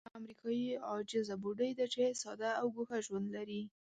هغه یوه امریکایي عاجزه بوډۍ ده چې ساده او ګوښه ژوند لري.